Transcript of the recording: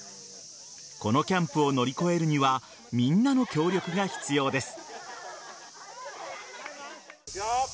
このキャンプを乗り越えるにはみんなの協力が必要です。